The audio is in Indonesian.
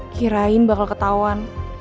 kirain bakal ketauan